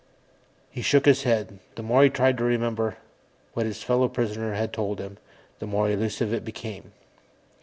He shook his head. The more he tried to remember what his fellow prisoner had told him, the more elusive it became.